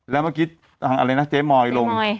แล้วเมื่อกี้เจ๊มอยลง